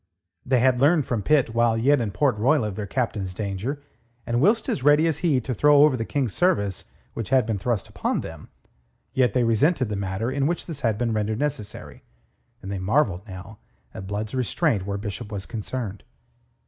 They had learnt from Pitt while yet in Port Royal of their Captain's danger, and whilst as ready as he to throw over the King's service which had been thrust upon them, yet they resented the manner in which this had been rendered necessary, and they marvelled now at Blood's restraint where Bishop was concerned.